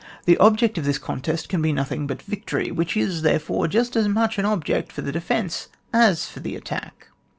The object of this contest can be nothing but victory ; which is, there fore, just as much an object for the de fence as for the attack.